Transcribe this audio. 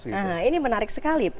nah ini menarik sekali